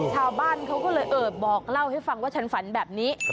ชาวบ้านเขาก็เลยเออบอกเล่าให้ฟังว่าฉันฝันแบบนี้